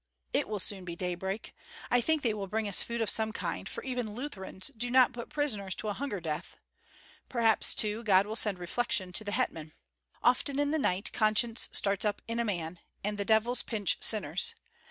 It will soon be daybreak. I think they will bring us food of some kind, for even Lutherans do not put prisoners to a hunger death. Perhaps, too, God will send reflection to the hetman. Often in the night conscience starts up in a man, and the devils pinch sinners.